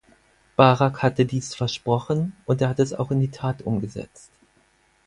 Barak hatte dies versprochen, und er hat es auch in die Tat umgesetzt.